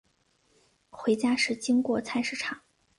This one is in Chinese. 回家时经过菜市场